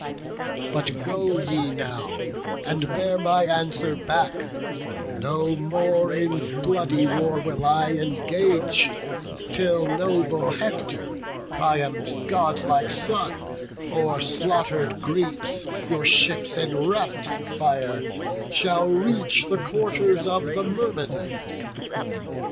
But go ye now, and bear my answer back: No more in bloody war will I engage, Till noble Hector, Priam's godlike son, O'er slaughter'd Greeks, your ships enwrapp'd in fire, Shall reach the quarters of the Myrmidons.